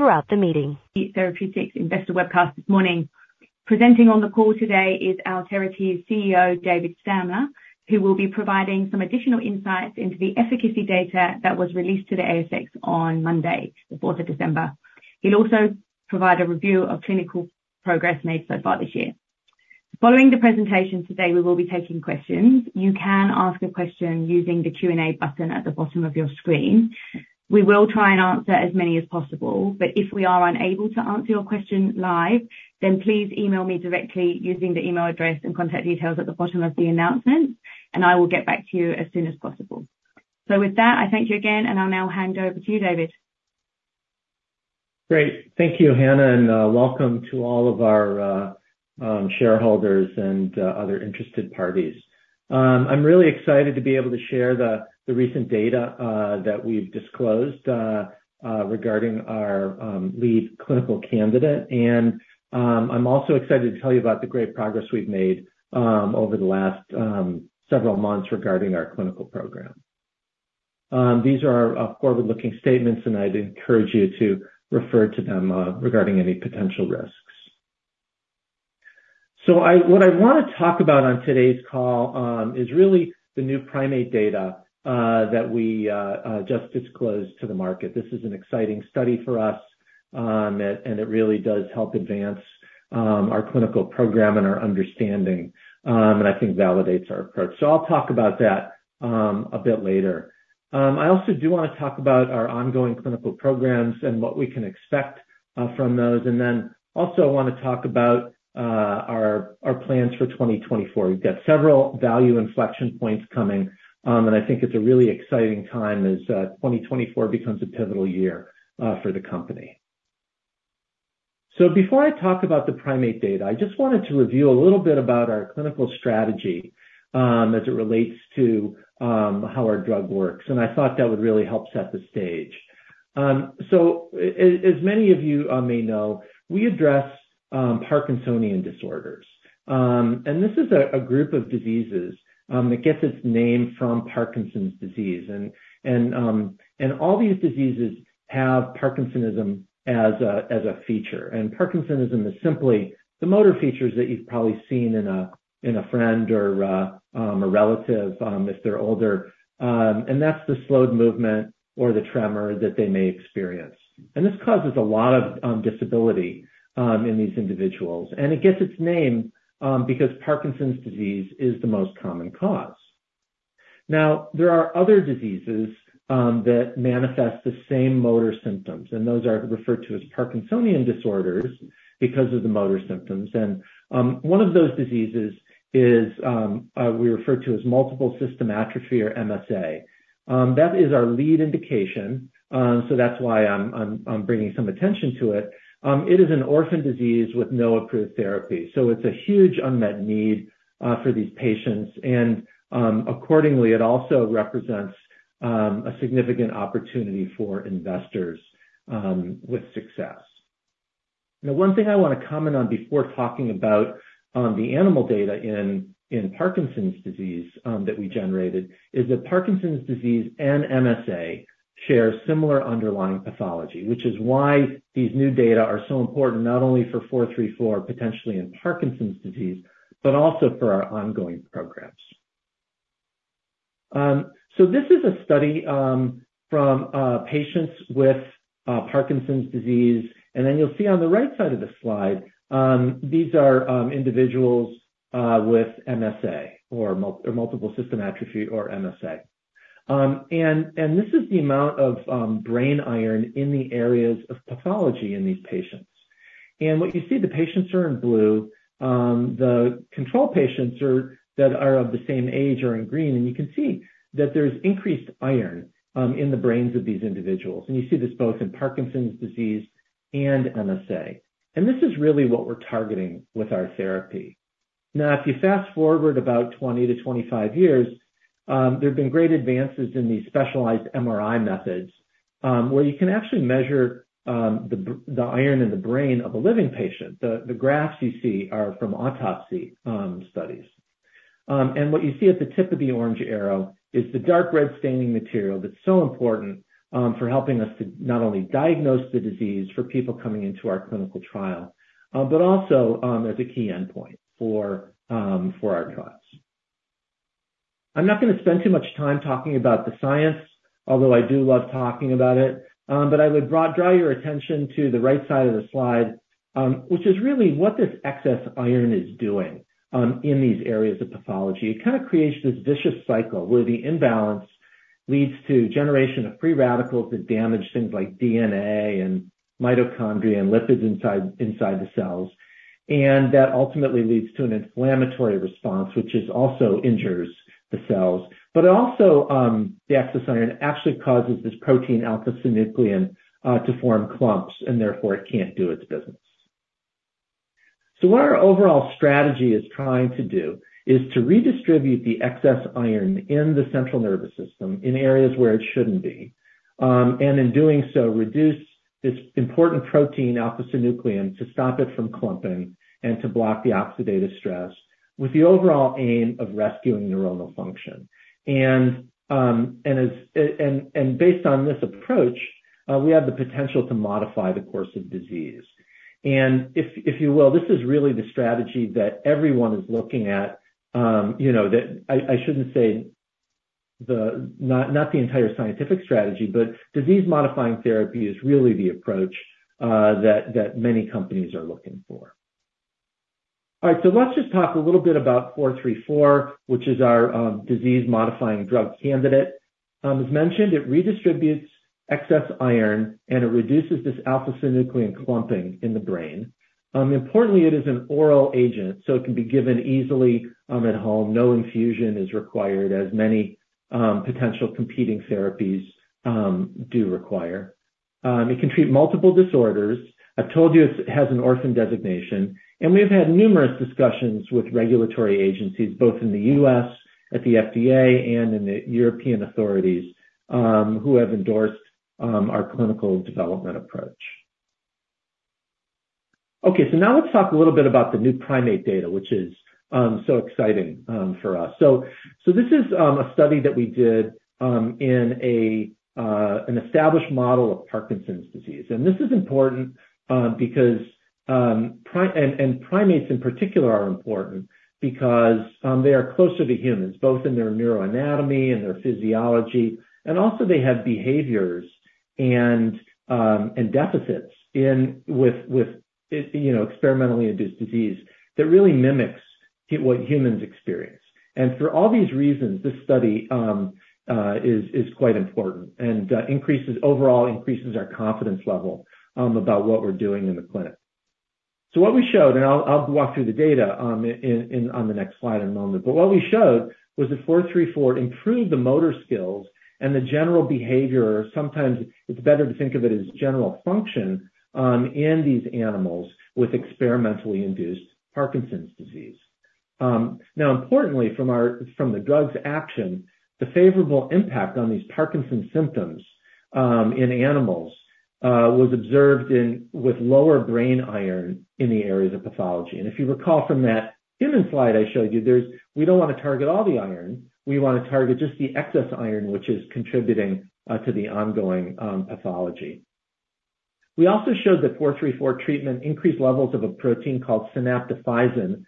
throughout the meeting. Therapeutics investor webcast this morning. Presenting on the call today is Alterity's CEO, David Stamler, who will be providing some additional insights into the efficacy data that was released to the ASX on Monday, the fourth of December. He'll also provide a review of clinical progress made so far this year. Following the presentation today, we will be taking questions. You can ask a question using the Q&A button at the bottom of your screen. We will try and answer as many as possible, but if we are unable to answer your question live, then please email me directly using the email address and contact details at the bottom of the announcement, and I will get back to you as soon as possible. So with that, I thank you again, and I'll now hand over to you, David. Great. Thank you, Hannah, and welcome to all of our shareholders and other interested parties. I'm really excited to be able to share the recent data that we've disclosed regarding our lead clinical candidate. I'm also excited to tell you about the great progress we've made over the last several months regarding our clinical program. These are forward-looking statements, and I'd encourage you to refer to them regarding any potential risks. What I want to talk about on today's call is really the new primate data that we just disclosed to the market. This is an exciting study for us, and it really does help advance our clinical program and our understanding, and I think validates our approach. So I'll talk about that a bit later. I also do want to talk about our ongoing clinical programs and what we can expect from those. And then also I want to talk about our plans for 2024. We've got several value inflection points coming, and I think it's a really exciting time as 2024 becomes a pivotal year for the company. So before I talk about the primate data, I just wanted to review a little bit about our clinical strategy as it relates to how our drug works, and I thought that would really help set the stage. So as many of you may know, we address Parkinsonian disorders. And this is a group of diseases that gets its name from Parkinson's disease. All these diseases have Parkinsonism as a feature. Parkinsonism is simply the motor features that you've probably seen in a friend or a relative if they're older, and that's the slowed movement or the tremor that they may experience. This causes a lot of disability in these individuals, and it gets its name because Parkinson's disease is the most common cause. Now, there are other diseases that manifest the same motor symptoms, and those are referred to as Parkinsonian disorders because of the motor symptoms. One of those diseases is we refer to as Multiple System Atrophy, or MSA. That is our lead indication, so that's why I'm bringing some attention to it. It is an orphan disease with no approved therapy, so it's a huge unmet need for these patients. Accordingly, it also represents a significant opportunity for investors with success. Now, one thing I want to comment on before talking about the animal data in Parkinson's disease that we generated is that Parkinson's disease and MSA share similar underlying pathology, which is why these new data are so important, not only for ATH434 potentially in Parkinson's disease, but also for our ongoing programs. So this is a study from patients with Parkinson's disease, and then you'll see on the right side of the slide these are individuals with MSA, or Multiple System Atrophy, or MSA. This is the amount of brain Iron in the areas of pathology in these patients. What you see, the patients are in blue. The control patients are, that are of the same age are in green, and you can see that there's increased Iron in the brains of these individuals. You see this both in Parkinson's disease and MSA. This is really what we're targeting with our therapy. Now, if you fast-forward about 20-25 years, there have been great advances in these specialized MRI methods, where you can actually measure the Iron in the brain of a living patient. The graphs you see are from autopsy studies. What you see at the tip of the orange arrow is the dark red staining material that's so important for helping us to not only diagnose the disease for people coming into our clinical trial, but also, as a key endpoint for our trials. I'm not gonna spend too much time talking about the science, although I do love talking about it. I would draw your attention to the right side of the slide, which is really what this excess Iron is doing in these areas of pathology. It kind of creates this vicious cycle where the imbalance leads to generation of free radicals that damage things like DNA and mitochondria and lipids inside the cells, and that ultimately leads to an inflammatory response, which also injures the cells. But also, the excess Iron actually causes this protein, alpha-synuclein, to form clumps, and therefore it can't do its business. So what our overall strategy is trying to do is to redistribute the excess Iron in the central nervous system in areas where it shouldn't be, and in doing so, reduce this important protein, alpha-synuclein, to stop it from clumping and to block the oxidative stress with the overall aim of rescuing neuronal function. And based on this approach, we have the potential to modify the course of disease. And if you will, this is really the strategy that everyone is looking at, you know, that I shouldn't say, not the entire scientific strategy, but disease-modifying therapy is really the approach that many companies are looking for. All right, so let's just talk a little bit about ATH434, which is our disease-modifying drug candidate. As mentioned, it redistributes excess Iron, and it reduces this alpha-synuclein clumping in the brain. Importantly, it is an oral agent, so it can be given easily at home. No infusion is required, as many potential competing therapies do require. It can treat multiple disorders. I've told you it has an orphan designation, and we've had numerous discussions with regulatory agencies, both in the U.S., at the FDA, and in the European authorities, who have endorsed our clinical development approach. Okay, so now let's talk a little bit about the new primate data, which is so exciting for us. So this is a study that we did in an established model of Parkinson's disease. And this is important, because primates in particular are important because they are closer to humans, both in their neuroanatomy and their physiology, and also they have behaviors and deficits with you know experimentally induced disease that really mimics what humans experience. And for all these reasons, this study is quite important and increases overall our confidence level about what we're doing in the clinic. So what we showed, and I'll walk through the data in on the next slide in a moment, but what we showed was that four three four improved the motor skills and the general behavior. Sometimes it's better to think of it as general function in these animals with experimentally induced Parkinson's disease. Now, importantly, from our, from the drug's action, the favorable impact on these Parkinson's symptoms, in animals, was observed in, with lower brain Iron in the areas of pathology. And if you recall from that human slide I showed you, there's, we don't want to target all the Iron. We want to target just the excess Iron, which is contributing, to the ongoing, pathology. We also showed that ATH434 treatment increased levels of a protein called synaptophysin,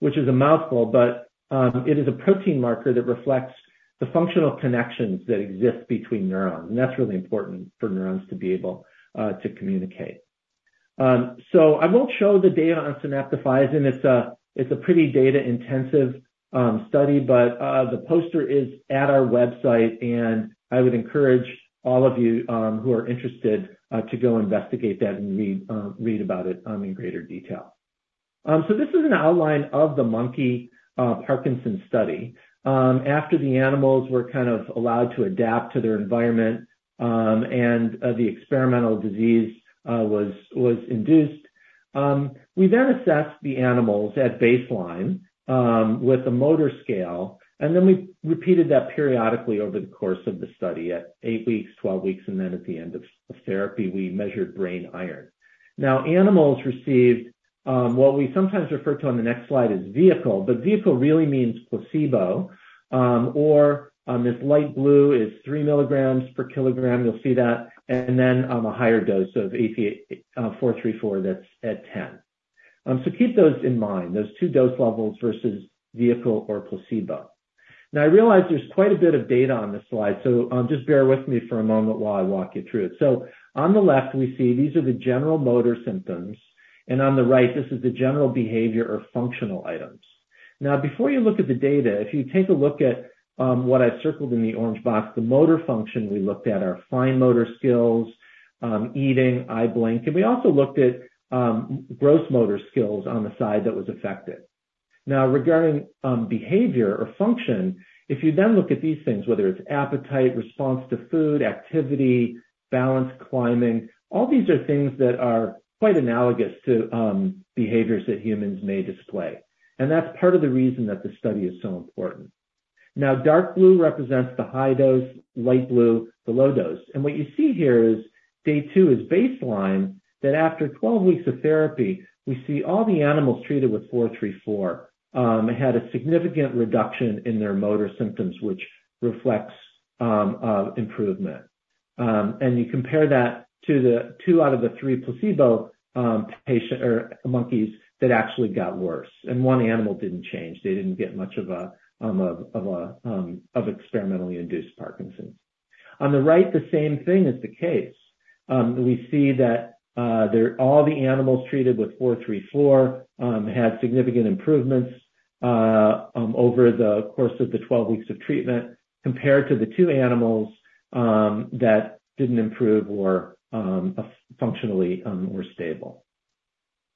which is a mouthful, but, it is a protein marker that reflects the functional connections that exist between neurons, and that's really important for neurons to be able, to communicate. So I won't show the data on synaptophysin. It's a pretty data-intensive study, but the poster is at our website, and I would encourage all of you who are interested to go investigate that and read about it in greater detail. So this is an outline of the monkey Parkinson's study. After the animals were kind of allowed to adapt to their envIronment and the experimental disease was induced, we then assessed the animals at baseline with a motor scale, and then we repeated that periodically over the course of the study at eight weeks, 12 weeks, and then at the end of therapy, we measured brain Iron. Now, animals received what we sometimes refer to on the next slide as vehicle, but vehicle really means placebo. This light blue is 3 mg per kg, you'll see that, and then, a higher dose of ATH434, that's at 10. So keep those in mind, those two dose levels versus vehicle or placebo. Now, I realize there's quite a bit of data on this slide, so, just bear with me for a moment while I walk you through it. So on the left, we see these are the general motor symptoms, and on the right, this is the general behavior or functional items. Now, before you look at the data, if you take a look at what I've circled in the orange box, the motor function, we looked at our fine motor skills, eating, eye blink, and we also looked at gross motor skills on the side that was affected. Now, regarding behavior or function, if you then look at these things, whether it's appetite, response to food, activity, balance, climbing, all these are things that are quite analogous to behaviors that humans may display. And that's part of the reason that this study is so important. Now, dark blue represents the high dose, light blue, the low dose. And what you see here is day two is baseline, that after 12 weeks of therapy, we see all the animals treated with ATH434 had a significant reduction in their motor symptoms, which reflects improvement. And you compare that to the two out of the three placebo patient or monkeys that actually got worse, and 1 animal didn't change. They didn't get much of an experimentally induced Parkinson's. On the right, the same thing is the case. We see that there all the animals treated with ATH434 had significant improvements over the course of the 12 weeks of treatment, compared to the two animals that didn't improve or functionally were stable.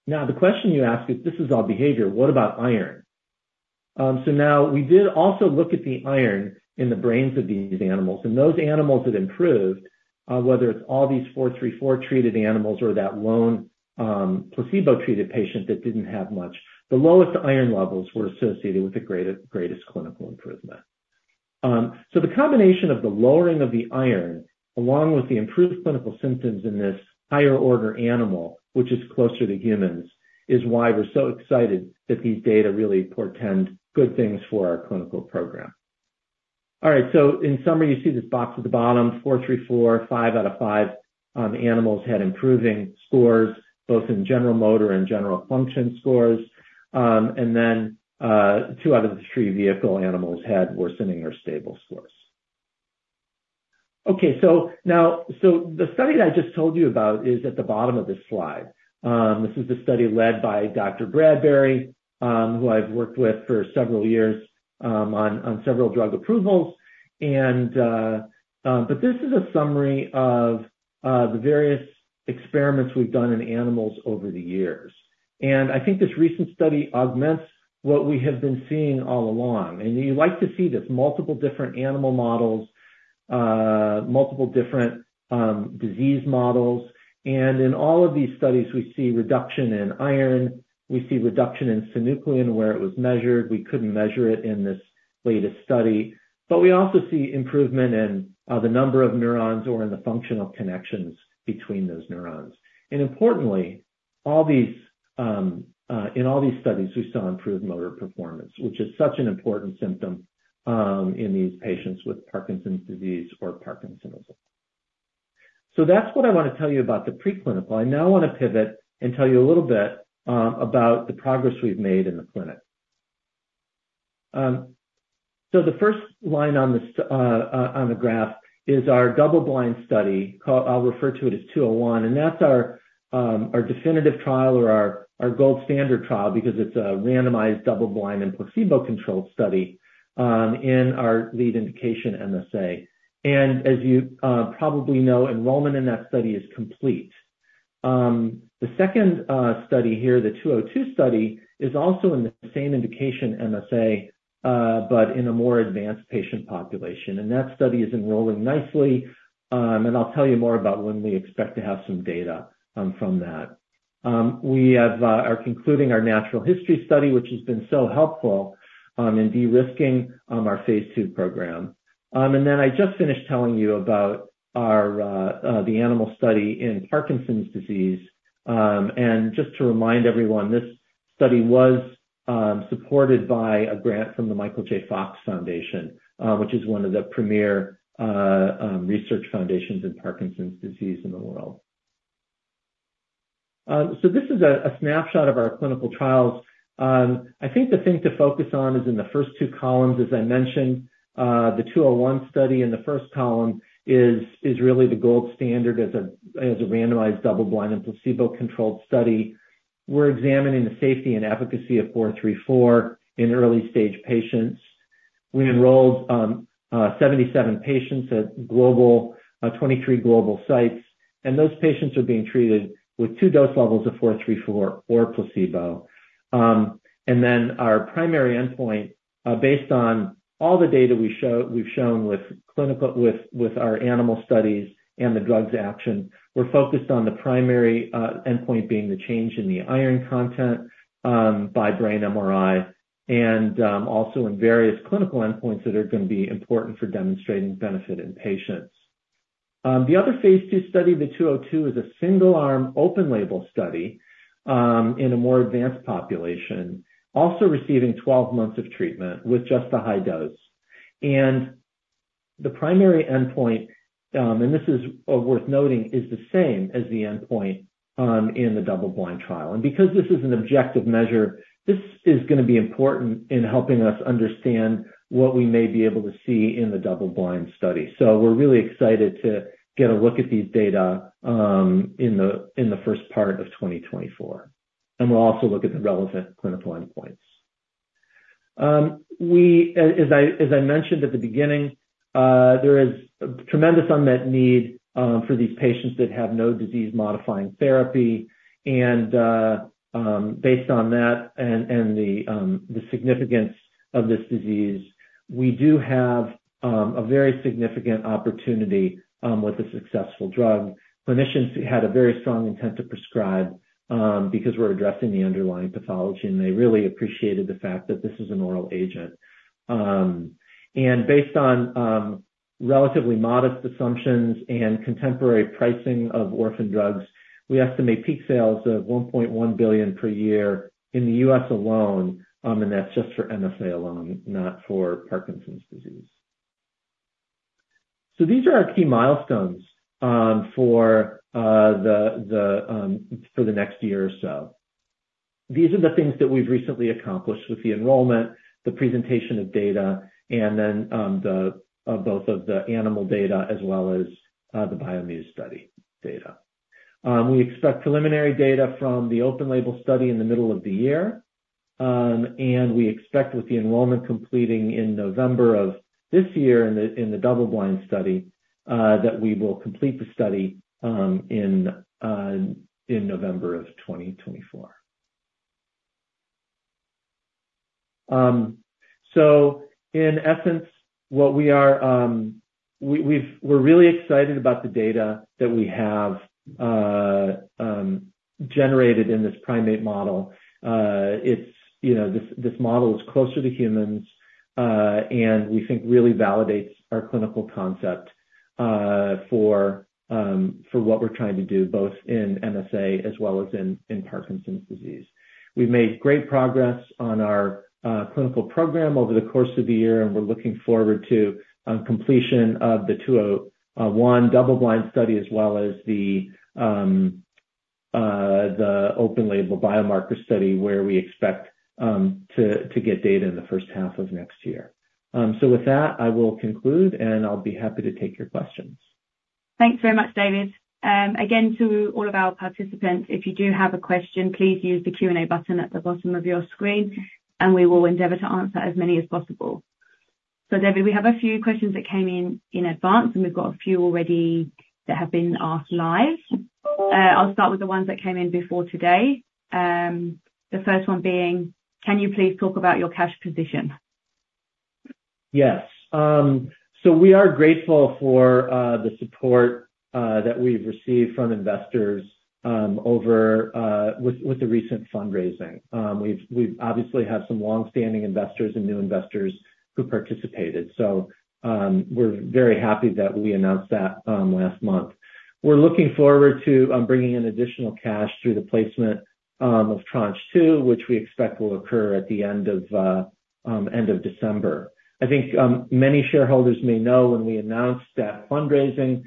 Now, the question you ask is: If this is all behavior, what about Iron? So now we did also look at the Iron in the brains of these animals, and those animals that improved, whether it's all these ATH434 treated animals or that lone placebo-treated patient that didn't have much, the lowest Iron levels were associated with the greatest greatest clinical improvement. So the combination of the lowering of the Iron, along with the improved clinical symptoms in this higher order animal, which is closer to humans, is why we're so excited that these data really portend good things for our clinical program. All right. So in summary, you see this box at the bottom, ATH434, five out of five animals had improving scores, both in general motor and general function scores. And then, two out of the three vehicle animals had worsening or stable scores. Okay, so now, so the study that I just told you about is at the bottom of this slide. This is a study led by Dr. Margaret Bradbury, who I've worked with for several years, on several drug approvals, but this is a summary of the various experiments we've done in animals over the years. I think this recent study augments what we have been seeing all along, and you like to see this, multiple different animal models, multiple different disease models. In all of these studies, we see reduction in Iron, we see reduction in synuclein where it was measured. We couldn't measure it in this latest study, but we also see improvement in the number of neurons or in the functional connections between those neurons. Importantly, all these, in all these studies, we saw improved motor performance, which is such an important symptom in these patients with Parkinson's disease or Parkinsonism. So that's what I want to tell you about the preclinical. I now want to pivot and tell you a little bit about the progress we've made in the clinic. So the first line on the graph is our double-blind study, called 201, and that's our definitive trial or our gold standard trial, because it's a randomized, double-blind, and placebo-controlled study in our lead indication, MSA. As you probably know, enrollment in that study is complete. The second study here, the 202 study, is also in the same indication, MSA, but in a more advanced patient population. That study is enrolling nicely, and I'll tell you more about when we expect to have some data from that. We are concluding our natural history study, which has been so helpful in de-risking our phase II program. And then I just finished telling you about our animal study in Parkinson's disease. And just to remind everyone, this study was supported by a grant from the Michael J. Fox Foundation, which is one of the premier research foundations in Parkinson's disease in the world. So this is a snapshot of our clinical trials. I think the thing to focus on is in the first two columns, as I mentioned, the 201 study in the first column is really the gold standard as a randomized, double-blind, and placebo-controlled study. We're examining the safety and efficacy of ATH434 in early-stage patients. We enrolled 77 patients at 23 global sites, and those patients are being treated with two dose levels of ATH434 or placebo. And then our primary endpoint, based on all the data we show, we've shown with our animal studies and the drug's action, we're focused on the primary endpoint being the change in the Iron content by brain MRI, and also in various clinical endpoints that are going to be important for demonstrating benefit in patients. The other phase II study, the ATH434-202, is a single-arm, open-label study in a more advanced population, also receiving 12 months of treatment with just the high dose. And the primary endpoint, and this is worth noting, is the same as the endpoint in the double-blind trial. And because this is an objective measure, this is gonna be important in helping us understand what we may be able to see in the double-blind study. So we're really excited to get a look at these data in the first part of 2024, and we'll also look at the relevant clinical endpoints. We, as I mentioned at the beginning, there is tremendous unmet need for these patients that have no disease-modifying therapy. And based on that and the significance of this disease, we do have a very significant opportunity with a successful drug. Clinicians had a very strong intent to prescribe because we're addressing the underlying pathology, and they really appreciated the fact that this is an oral agent. And based on relatively modest assumptions and contemporary pricing of orphan drugs, we estimate peak sales of $1.1 billion per year in the U.S. alone, and that's just for MSA alone, not for Parkinson's disease. So these are our key milestones for the next year or so. These are the things that we've recently accomplished with the enrollment, the presentation of data, and then both of the animal data as well as the bioMUSE study data. We expect preliminary data from the open label study in the middle of the year. And we expect with the enrollment completing in November of this year in the double-blind study that we will complete the study in November of 2024. So in essence, we're really excited about the data that we have generated in this primate model. You know, this model is closer to humans, and we think really validates our clinical concept for what we're trying to do, both in MSA as well as in Parkinson's disease. We've made great progress on our clinical program over the course of the year, and we're looking forward to completion of the 201 double-blind study, as well as the open-label biomarker study, where we expect to get data in the first half of next year. So with that, I will conclude, and I'll be happy to take your questions. Thanks very much, David. Again, to all of our participants, if you do have a question, please use the Q&A button at the bottom of your screen, and we will endeavor to answer as many as possible. So David, we have a few questions that came in in advance, and we've got a few already that have been asked live. I'll start with the ones that came in before today. The first one being: Can you please talk about your cash position? Yes. So we are grateful for the support that we've received from investors over with the recent fundraising. We've obviously had some longstanding investors and new investors who participated, so we're very happy that we announced that last month. We're looking forward to bringing in additional cash through the placement of tranche two, which we expect will occur at the end of December. I think many shareholders may know when we announced that fundraising,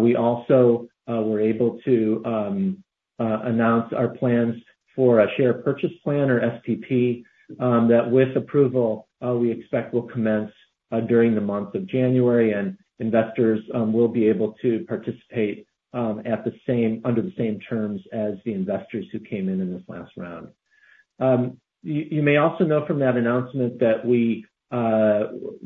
we also were able to announce our plans for a share purchase plan or SPP that with approval we expect will commence during the month of January, and investors will be able to participate under the same terms as the investors who came in in this last round. You may also know from that announcement that we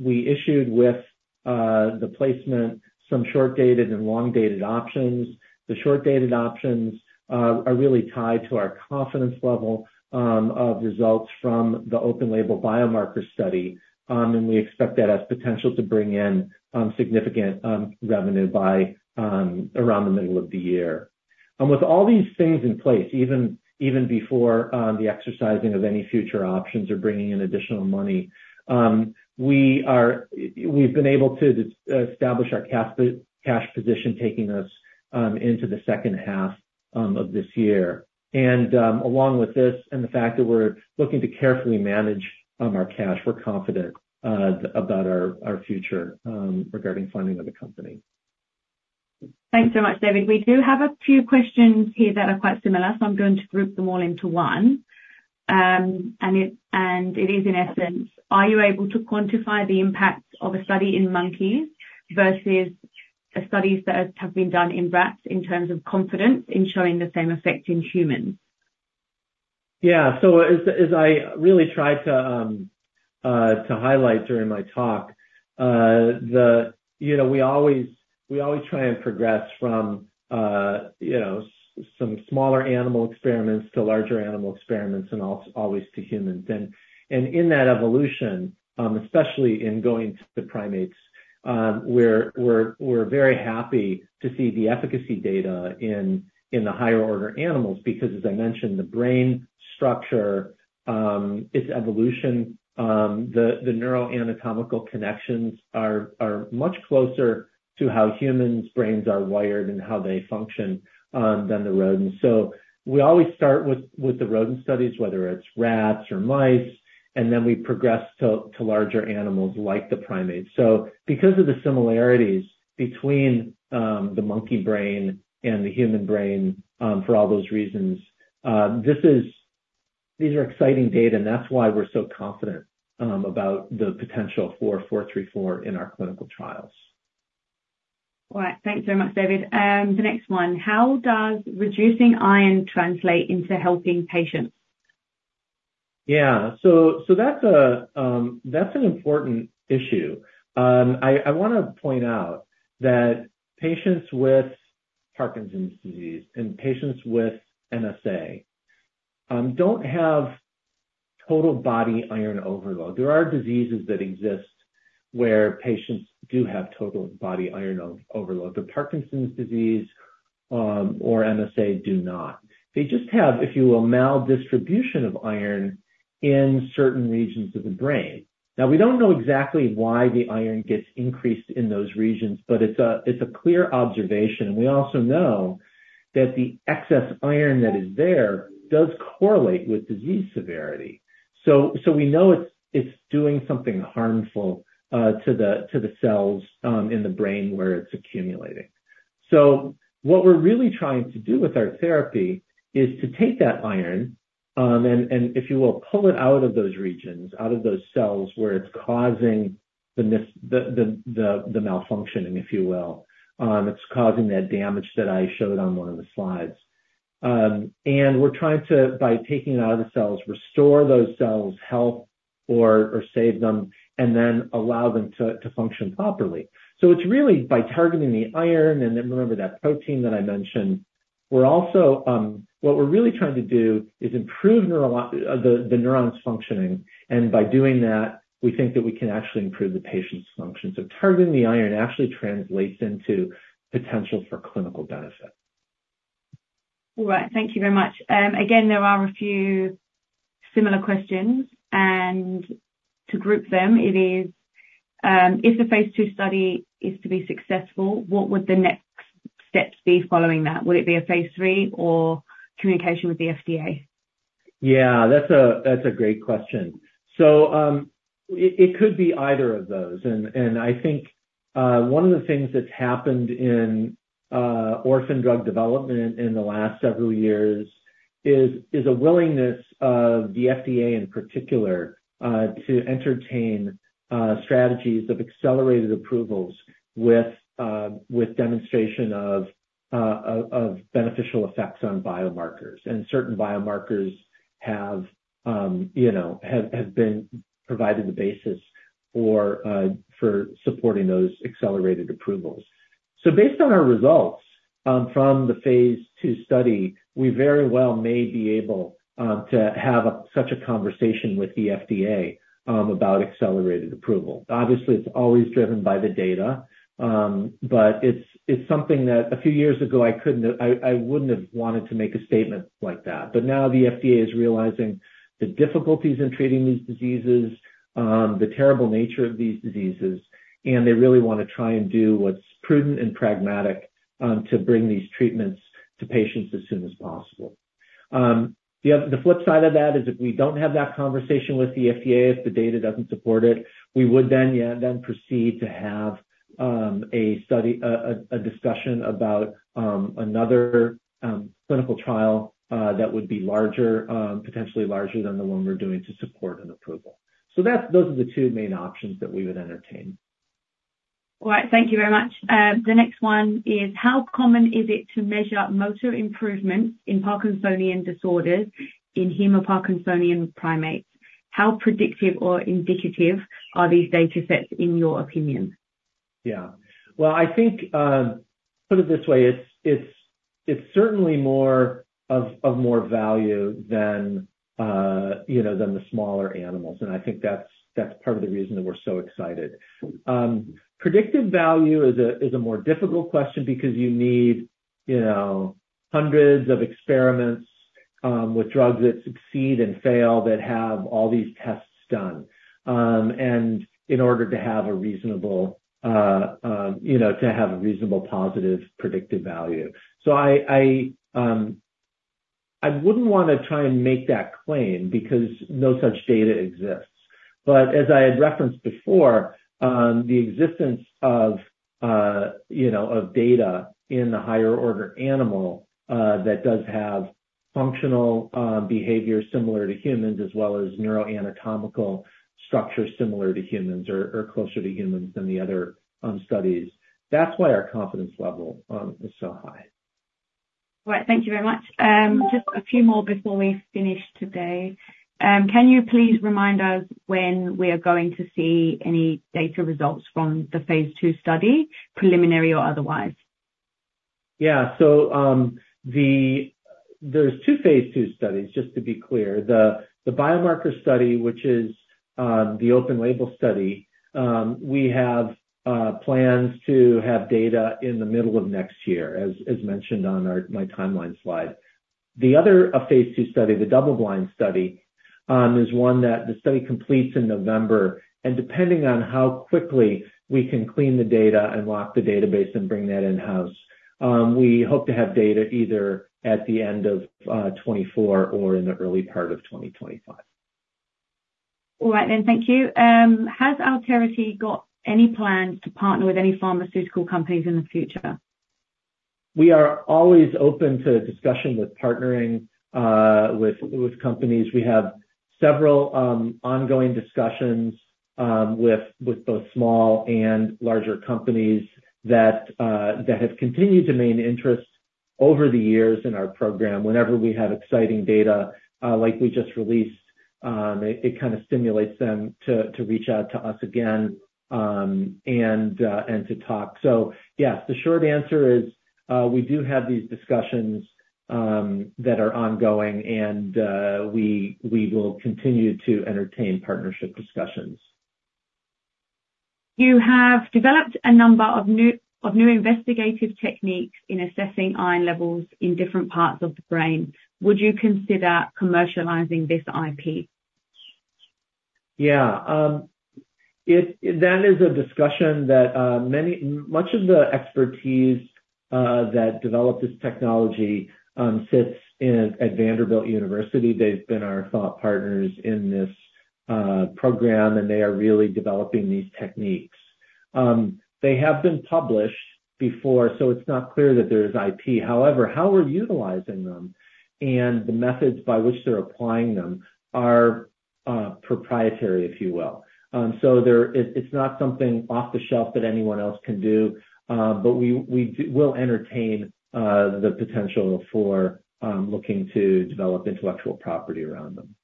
issued with the placement some short-dated and long-dated options. The short-dated options are really tied to our confidence level of results from the open label biomarker study. And we expect that has potential to bring in significant revenue by around the middle of the year. With all these things in place, even, even before the exercising of any future options or bringing in additional money, we are, we've been able to establish our cash position, taking us into the second half of this year. Along with this and the fact that we're looking to carefully manage our cash, we're confident about our future regarding funding of the company. Thanks so much, David. We do have a few questions here that are quite similar, so I'm going to group them all into one. And it is in essence, are you able to quantify the impact of a study in monkeys versus the studies that have been done in rats in terms of confidence in showing the same effect in humans? Yeah. So as I really tried to highlight during my talk, you know, we always try and progress from some smaller animal experiments to larger animal experiments and always to humans. And in that evolution, especially in going to the primates, we're very happy to see the efficacy data in the higher order animals, because, as I mentioned, the brain structure, its evolution, the neuroanatomical connections are much closer to how humans' brains are wired and how they function than the rodents. So we always start with the rodent studies, whether it's rats or mice, and then we progress to larger animals like the primates. So because of the similarities between the monkey brain and the human brain, for all those reasons, these are exciting data, and that's why we're so confident about the potential for ATH434 in our clinical trials. All right. Thanks very much, David. The next one, how does reducing Iron translate into helping patients? Yeah. So, that's an important issue. I wanna point out that patients with Parkinson's disease and patients with MSA don't have total body Iron overload. There are diseases that exist where patients do have total body Iron overload, but Parkinson's disease or MSA do not. They just have, if you will, maldistribution of Iron in certain regions of the brain. Now, we don't know exactly why the Iron gets increased in those regions, but it's a clear observation. We also know that the excess Iron that is there does correlate with disease severity. So we know it's doing something harmful to the cells in the brain where it's accumulating. So what we're really trying to do with our therapy is to take that Iron and if you will, pull it out of those regions, out of those cells where it's causing the malfunctioning, if you will. It's causing that damage that I showed on one of the slides. And we're trying to, by taking it out of the cells, restore those cells' health or save them, and then allow them to function properly. So it's really by targeting the Iron, and then remember that protein that I mentioned, we're also... What we're really trying to do is improve the neurons' functioning, and by doing that, we think that we can actually improve the patient's function. So targeting the Iron actually translates into potential for clinical benefit.... All right, thank you very much. Again, there are a few similar questions, and to group them, it is, if the phase II study is to be successful, what would the next steps be following that? Would it be a phase III or communication with the FDA? Yeah, that's a great question. So, it could be either of those. And I think one of the things that's happened in orphan drug development in the last several years is a willingness of the FDA, in particular, to entertain strategies of accelerated approvals with demonstration of beneficial effects on biomarkers. And certain biomarkers have, you know, been provided the basis for supporting those accelerated approvals. So based on our results from the phase II study, we very well may be able to have such a conversation with the FDA about accelerated approval. Obviously, it's always driven by the data, but it's something that a few years ago, I couldn't have... I wouldn't have wanted to make a statement like that. But now the FDA is realizing the difficulties in treating these diseases, the terrible nature of these diseases, and they really want to try and do what's prudent and pragmatic, to bring these treatments to patients as soon as possible. The flip side of that is, if we don't have that conversation with the FDA, if the data doesn't support it, we would then proceed to have a discussion about another clinical trial that would be larger, potentially larger than the one we're doing to support an approval. So that's, those are the two main options that we would entertain. All right. Thank you very much. The next one is: How common is it to measure motor improvement in Parkinsonian disorders, in hemiparkinsonian primates? How predictive or indicative are these data sets, in your opinion? Yeah. Well, I think, put it this way, it's certainly more of more value than, you know, than the smaller animals, and I think that's part of the reason that we're so excited. Predictive value is a more difficult question because you need, you know, hundreds of experiments with drugs that succeed and fail, that have all these tests done, and in order to have a reasonable, you know, positive predictive value. So I wouldn't want to try and make that claim because no such data exists. But as I had referenced before, the existence of, you know, of data in the higher order animal that does have functional behavior similar to humans, as well as neuroanatomical structure similar to humans or closer to humans than the other studies, that's why our confidence level is so high. Right. Thank you very much. Just a few more before we finish today. Can you please remind us when we are going to see any data results from the phase II study, preliminary or otherwise? Yeah. So, there's two phase II studies, just to be clear. The biomarker study, which is the open label study, we have plans to have data in the middle of next year, as mentioned on my timeline slide. The other phase two study, the double blind study, is one that the study completes in November, and depending on how quickly we can clean the data and lock the database and bring that in-house, we hope to have data either at the end of 2024 or in the early part of 2025. All right, then. Thank you. Has Alterity got any plans to partner with any pharmaceutical companies in the future? We are always open to discussion with partnering companies. We have several ongoing discussions with both small and larger companies that have continued to maintain interest over the years in our program. Whenever we have exciting data like we just released, it kind of stimulates them to reach out to us again, and to talk. So yes, the short answer is, we do have these discussions that are ongoing, and we will continue to entertain partnership discussions. You have developed a number of new investigative techniques in assessing Iron levels in different parts of the brain. Would you consider commercializing this IP? Yeah. That is a discussion that many - much of the expertise that developed this technology sits in at Vanderbilt University. They've been our thought partners in this program, and they are really developing these techniques. They have been published before, so it's not clear that there's IP. However, how we're utilizing them and the methods by which they're applying them are proprietary, if you will. So there, it's not something off the shelf that anyone else can do, but we will entertain the potential for looking to develop intellectual property around them.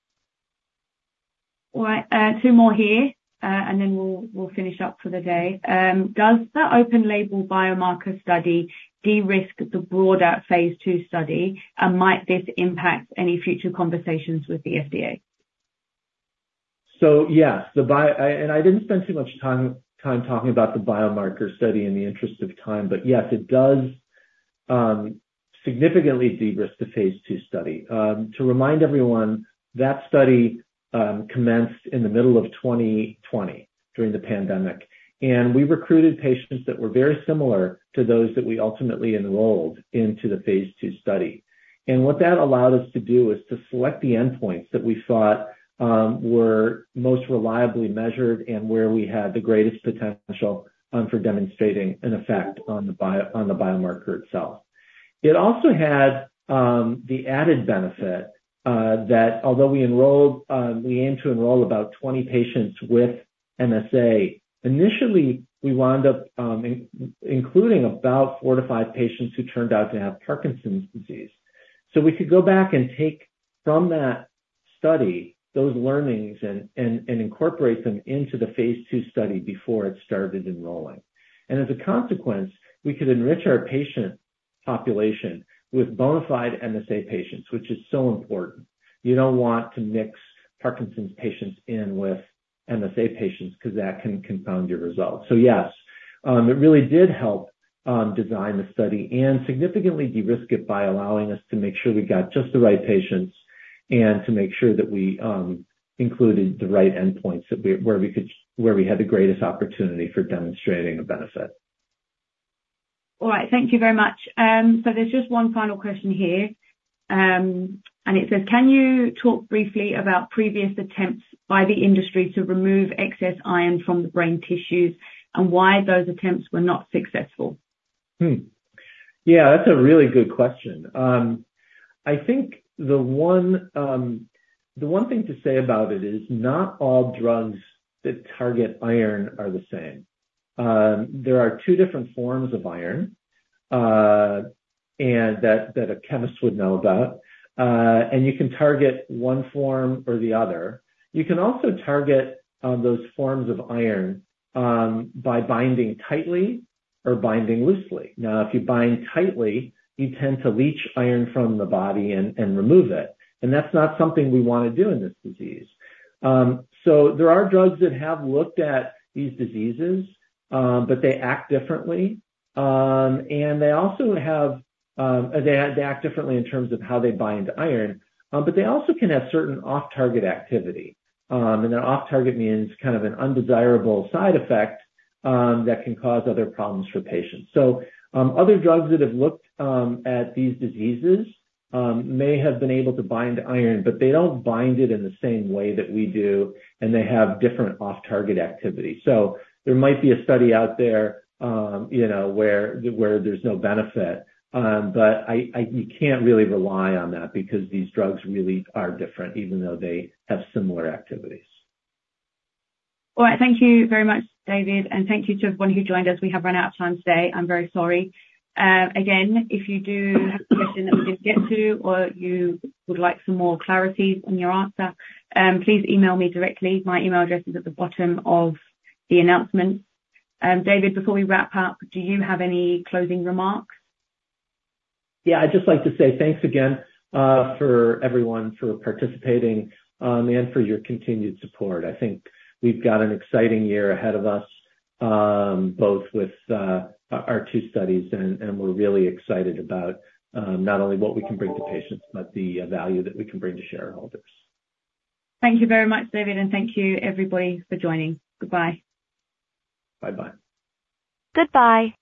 All right, two more here, and then we'll finish up for the day. Does the open label biomarker study de-risk the broader phase II study, and might this impact any future conversations with the FDA?... So yes, and I didn't spend too much time talking about the biomarker study in the interest of time, but yes, it does significantly de-risk the phase II study. To remind everyone, that study commenced in the middle of 2020, during the pandemic. We recruited patients that were very similar to those that we ultimately enrolled into the phase II study. What that allowed us to do is to select the endpoints that we thought were most reliably measured and where we had the greatest potential for demonstrating an effect on the biomarker itself. It also had the added benefit that although we aimed to enroll about 20 patients with MSA initially, we wound up including about fout to five patients who turned out to have Parkinson's disease. So we could go back and take from that study, those learnings and incorporate them into the phase two study before it started enrolling. And as a consequence, we could enrich our patient population with bona fide MSA patients, which is so important. You don't want to mix Parkinson's patients in with MSA patients, 'cause that can confound your results. So yes, it really did help design the study and significantly de-risk it by allowing us to make sure we got just the right patients and to make sure that we included the right endpoints, where we could... where we had the greatest opportunity for demonstrating a benefit. All right. Thank you very much. So there's just one final question here, and it says: Can you talk briefly about previous attempts by the industry to remove excess Iron from the brain tissues, and why those attempts were not successful? Hmm. Yeah, that's a really good question. I think the one thing to say about it is, not all drugs that target Iron are the same. There are two different forms of Iron, and that a chemist would know about. And you can target one form or the other. You can also target those forms of Iron by binding tightly or binding loosely. Now, if you bind tightly, you tend to leach Iron from the body and remove it, and that's not something we want to do in this disease. So there are drugs that have looked at these diseases, but they act differently. And they also have, they act differently in terms of how they bind to Iron, but they also can have certain off-target activity. An off-target means kind of an undesirable side effect that can cause other problems for patients. So, other drugs that have looked at these diseases may have been able to bind Iron, but they don't bind it in the same way that we do, and they have different off-target activity. So there might be a study out there, you know, where there's no benefit, but you can't really rely on that because these drugs really are different, even though they have similar activities. All right. Thank you very much, David, and thank you to everyone who joined us. We have run out of time today. I'm very sorry. Again, if you do have a question that we didn't get to or you would like some more clarity on your answer, please email me directly. My email address is at the bottom of the announcement. David, before we wrap up, do you have any closing remarks? Yeah. I'd just like to say thanks again for everyone for participating, and for your continued support. I think we've got an exciting year ahead of us, both with our two studies, and we're really excited about not only what we can bring to patients, but the value that we can bring to shareholders. Thank you very much, David, and thank you everybody for joining. Goodbye. Bye-bye. Goodbye.